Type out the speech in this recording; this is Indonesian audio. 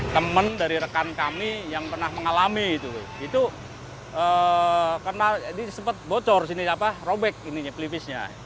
teman dari rekan kami yang pernah mengalami itu itu sempat bocor robek ini pelipisnya